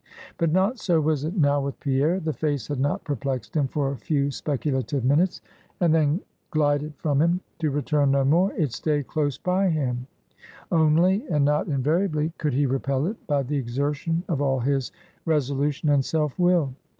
But not so was it now with Pierre. The face had not perplexed him for a few speculative minutes, and then glided from him, to return no more. It stayed close by him; only and not invariably could he repel it, by the exertion of all his resolution and self will.